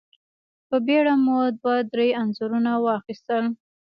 په بېړه مو دوه درې انځورونه واخيستل.